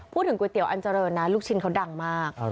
ก๋วยเตี๋ยอันเจริญนะลูกชิ้นเขาดังมาก